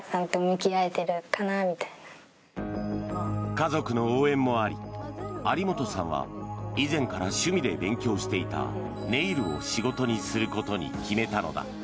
家族の応援もあり有本さんは以前から趣味で勉強していたネイルを仕事にすることに決めたのだ。